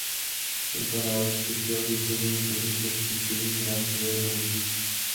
Tento návrh přispěl k dosažení první konstruktivní rámcové dohody.